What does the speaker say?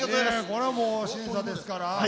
これはもう審査ですから。